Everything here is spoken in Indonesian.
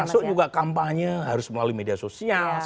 termasuk juga kampanye harus melalui media sosial